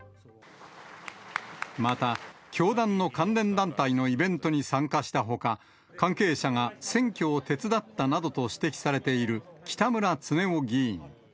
また、教団の関連団体のイベントに参加したほか、関係者が選挙を手伝ったなどと指摘されている北村経夫議員。